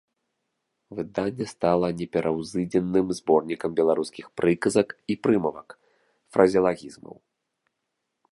Выданне стала непераўзыдзеным зборнікам беларускіх прыказак і прымавак, фразеалагізмаў.